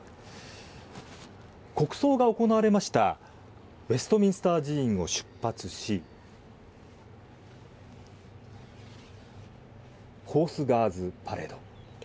国葬が行われましたウェストミンスター寺院を出発しホースガーズパレード。